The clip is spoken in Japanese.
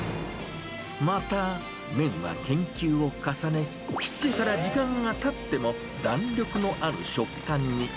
また、麺は研究を重ね、切ってから時間がたっても、弾力のある食感に。